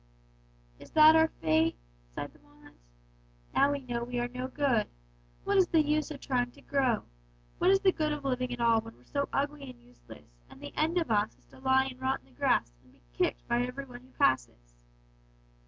"'Is that our fate?' sighed the walnuts. 'Now we know we are no good. What is the use of trying to grow? What is the good of living at all when we're so ugly and useless, and the end of us is to lie and rot in the grass and be kicked by every one who passes?'